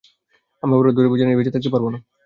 আমি অপরাধবোধের বোঁঝা নিয়ে বেঁচে থাকতে পারব না।